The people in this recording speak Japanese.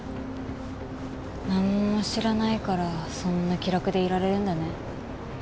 なんも知らないからそんな気楽でいられるんだね。